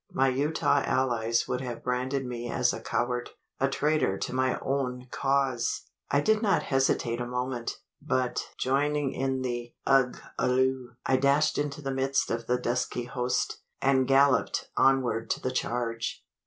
My Utah allies would have branded me as a coward a traitor to my own cause! I did not hesitate a moment; but, joining in the "Ugh aloo," I dashed into the midst of the dusky host, and galloped onward to the charge.